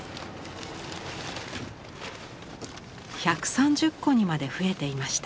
１３０個にまで増えていました。